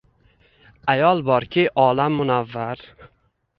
Ayol borki, olam munavvar!